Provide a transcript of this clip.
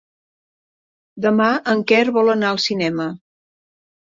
Demà en Quer vol anar al cinema.